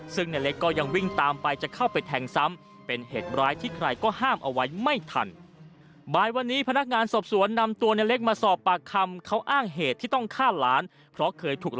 ซึ่งในเล็กก็ยังวิ่งตามไปจะเข้าไปแทงซ้ำ